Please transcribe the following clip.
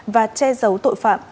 và che giấu tội phạm